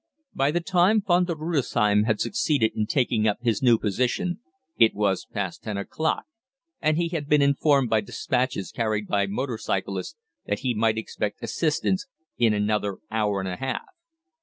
By the time Von der Rudesheim had succeeded in taking up his new position it was past ten o'clock, and he had been informed by despatches carried by motor cyclists that he might expect assistance in another hour and a half.